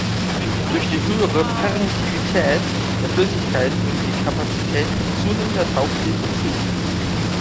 Durch die höhere Permittivität der Flüssigkeit nimmt die Kapazität mit zunehmender Tauchtiefe zu.